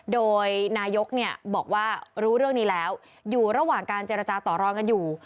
โดยนายกบอกว่ารู้เรื่องนี้แล้วอยู่ระหว่างการเจรจาต่อรองกันอยู่